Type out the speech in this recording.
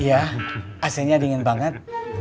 iya asinnya dingin banget